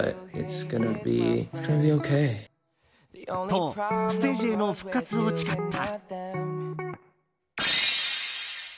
と、ステージへの復活を誓った。